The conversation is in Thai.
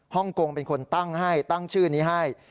ฮ่องกงเป็นคนตั้งชื่อนี้ให้